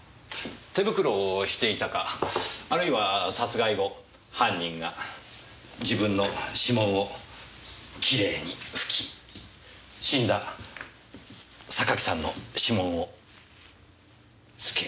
手袋をしていたかあるいは殺害後犯人が自分の指紋をきれいに拭き死んだ榊さんの指紋をつけ。